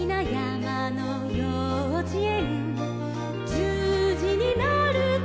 「じゅうじになると」